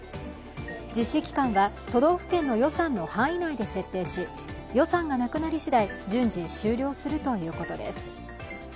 実施期間は都道府県の予算の範囲内で設定し予算がなくなりしだい、順次終了するということです。